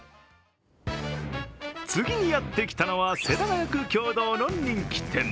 次にやってきたのは世田谷区経堂の人気店。